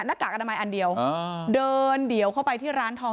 กากอนามัยอันเดียวอ่าเดินเดี่ยวเข้าไปที่ร้านทอง